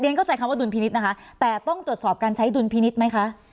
เข้าใจคำว่าดุลพินิษฐ์นะคะแต่ต้องตรวจสอบการใช้ดุลพินิษฐ์ไหมคะ